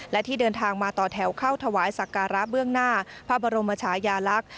และที่เดินทางมาต่อแถวเข้าถวายสักการะเบื้องหน้าพระบรมชายาลักษณ์